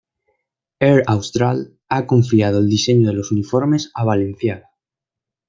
Air Austral ha confiado el diseño de los uniformes a Balenciaga.